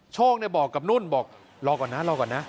โชคบอกกับนุ่นบอกรอก่อนนะรอก่อนนะ